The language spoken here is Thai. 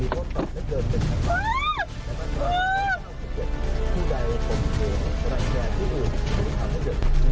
อุ๊ย